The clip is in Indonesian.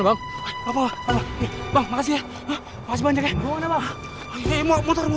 bu bungpung lagi ada duit